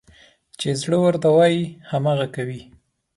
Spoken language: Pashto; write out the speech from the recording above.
چې زړه ورته وايي، هماغه کوي.